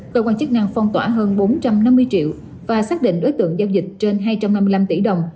cơ quan chức năng phong tỏa hơn bốn trăm năm mươi triệu và xác định đối tượng giao dịch trên hai trăm năm mươi năm tỷ đồng